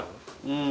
うん。